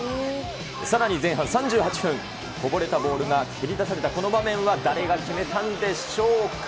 さらに前半３８分、こぼれたボールが蹴り出されたこの場面は、誰が決めたんでしょうか、